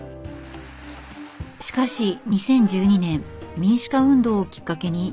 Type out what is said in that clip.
しかし２０１２年民主化運動をきっかけに内戦が激化。